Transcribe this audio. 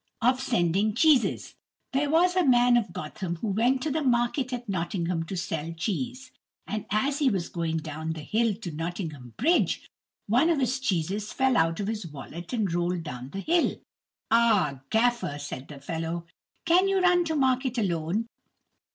Of Sending Cheeses There was a man of Gotham who went to the market at Nottingham to sell cheese, and as he was going down the hill to Nottingham bridge, one of his cheeses fell out of his wallet and rolled down the hill. "Ah, gaffer," said the fellow, "can you run to market alone?